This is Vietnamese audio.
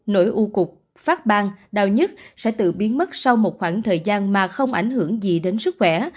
nỗi u cục phát bang đau nhất sẽ tự biến mất sau một khoảng thời gian mà không ảnh hưởng gì đến sức khỏe